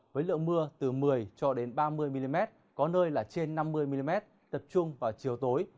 với lượng mưa từ một mươi cho đến ba mươi mm có nơi là trên năm mươi mm tập trung vào chiều tối